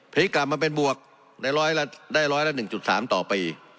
กลับมาเป็นบวกได้ร้อยละ๑๓ต่อปี